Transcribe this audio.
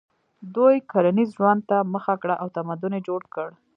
دوی کرنیز ژوند ته مخه کړه او تمدن یې جوړ کړ.